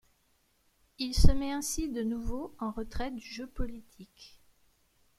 Il se met ainsi de nouveau en retrait du jeu politique.